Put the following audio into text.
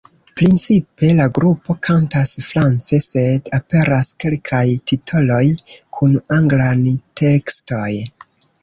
Principe la grupo kantas france sed aperas kelkaj titoloj kun anglan tekstoj.